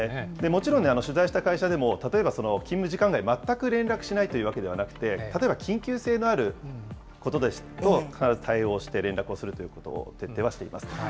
もちろん、取材した会社でも、例えば勤務時間外、全く連絡しないというわけではなくて、例えば緊急性のあることですと、必ず対応して、連絡をするということを徹底しています。